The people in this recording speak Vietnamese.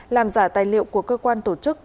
làm giả tài liệu của cơ quan tổ chức